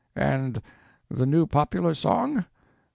And the new popular song?